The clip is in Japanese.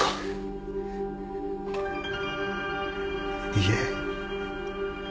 いいえ。